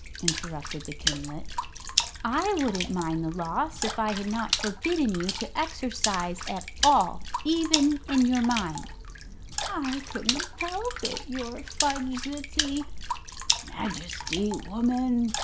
interrupted the kinglet. "I wouldn't mind the loss if I had not forbidden you to exercise at all, even in your mind." "I couldn't help it, your fudgesty " "Majesty, woman!"